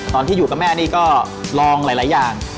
ตอนที่อยู่กับแม่นี่ก็ลองหลายอย่าง